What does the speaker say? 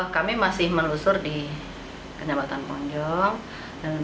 kami masih melusur di kecamatan ponjong